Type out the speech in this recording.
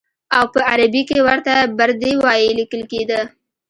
او په عربي کې ورته بردي وایي لیکل کېده.